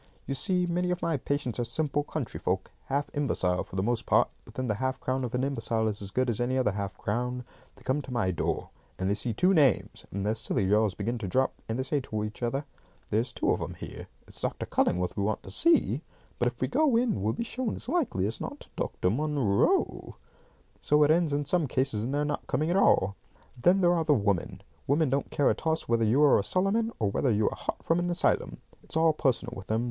"You see, many of my patients are simple country folk, half imbecile for the most part, but then the half crown of an imbecile is as good as any other half crown. They come to my door, and they see two names, and their silly jaws begin to drop, and they say to each other, 'There's two of 'em here. It's Dr. Cullingworth we want to see, but if we go in we'll be shown as likely as not to Dr. Munro.' So it ends in some cases in their not coming at all. Then there are the women. Women don't care a toss whether you are a Solomon, or whether you are hot from an asylum. It's all personal with them.